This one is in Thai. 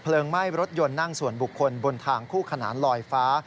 ไหม้รถยนต์นั่งส่วนบุคคลบนทางคู่ขนานลอยฟ้า